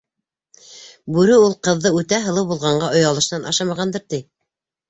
Бүре ул ҡыҙҙы үтә һылыу булғанға оялышынан ашамағандыр, ти.